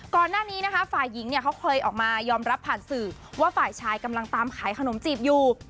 ก่อนหน้านี้นะคะฝ่ายหญิงเนี่ยเขาเคยออกมายอมรับผ่านสื่อว่าฝ่ายชายกำลังตามขายขนมจีบอยู่